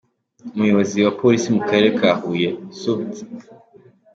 Umuyobozi wa Polisi mu karere ka Huye , Supt.